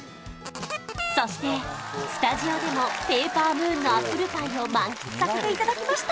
そしてスタジオでもＰＡＰＥＲＭＯＯＮのアップルパイを満喫させていただきました